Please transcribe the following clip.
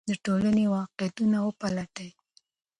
د ټولنې واقعیتونه وپلټئ.